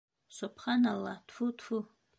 Собханалла, тфү, тфү...